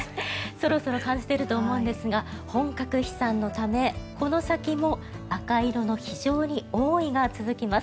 そろそろ感じてると思うんですが本格飛散のため、この先も赤色の非常に多いが続きます。